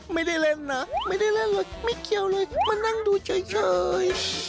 ไม่ได้เล่นนะไม่ได้เล่นเลยไม่เกี่ยวเลยมานั่งดูเฉย